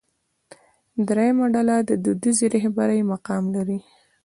درېیمه ډله د دودیزې رهبرۍ مقام لري.